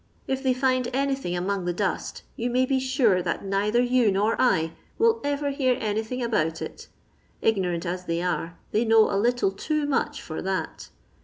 If they find anything among the dust you may be sure that neither you nor I will ever hear anything about it; ignorant as they are, they know a little too much for that.